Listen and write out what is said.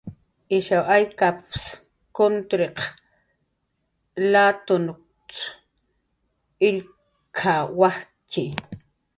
"Ishaw aykap""ps kuntirq latp""t""a illk""awajttxi."